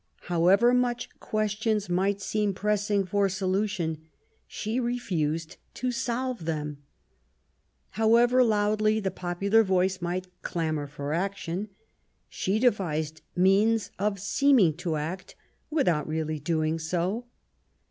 However much questions might seem pressing for solution, she refused to solve them. However loudly the popular voice might clamour for . action, she devised means of seeming to act without really doing so.